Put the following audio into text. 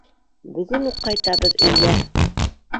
Бөгөн үк ҡайтабыҙ өйгә.